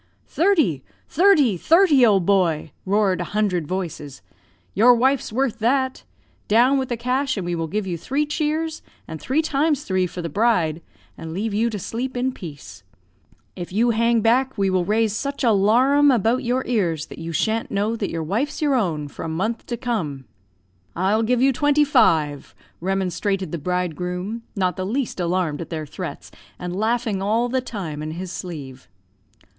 "'Thirty! thirty! thirty! old boy!' roared a hundred voices. 'Your wife's worth that. Down with the cash, and we will give you three cheers, and three times three for the bride, and leave you to sleep in peace. If you hang back, we will raise such a 'larum about your ears that you shan't know that your wife's your own for a month to come!' "'I'll give you twenty five,' remonstrated the bridegroom, not the least alarmed at their threats, and laughing all the time in his sleeve.